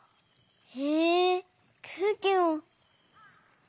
へえくうきも！